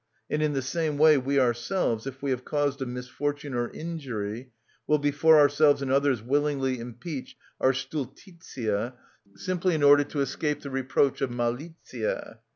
And in the same way, we ourselves, if we have caused a misfortune or injury, will before others and ourselves willingly impeach our stultitia, simply in order to escape the reproach of malitia.